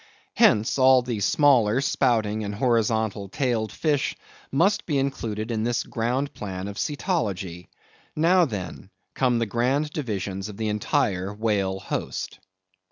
* Hence, all the smaller, spouting, and horizontal tailed fish must be included in this ground plan of Cetology. Now, then, come the grand divisions of the entire whale host.